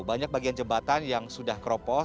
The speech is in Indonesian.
banyak bagian jembatan yang sudah keropos